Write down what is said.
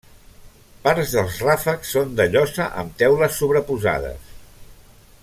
Parts dels ràfecs són de llosa amb teules sobreposades.